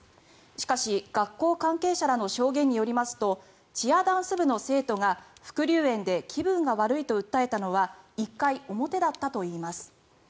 しかし、学校関係者らの証言によりますとチアダンス部の生徒が副流煙で気分が悪いと訴えたのは１回表だったといいます。